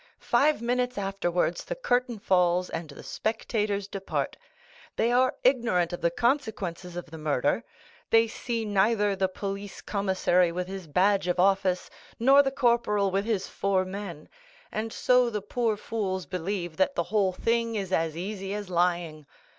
Five minutes afterwards the curtain falls, and the spectators depart. They are ignorant of the consequences of the murder; they see neither the police commissary with his badge of office, nor the corporal with his four men; and so the poor fools believe that the whole thing is as easy as lying.